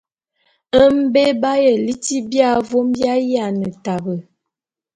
Mbé b'aye liti ma vôm m'ayiane tabe.